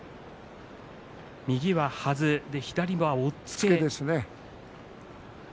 右のはずに、左押っつけ。